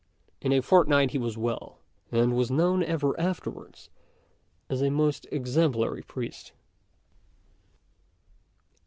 In a fortnight he was well, and was known ever afterwards as a most exemplary priest.